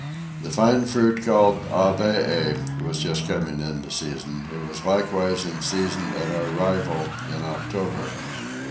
The fine fruit called Avee was just coming into season: it was likewise in season at the time of our arrival in October.